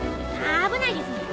危ないですにゃ。